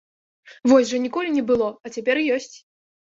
Вось жа ніколі не было, а цяпер ёсць!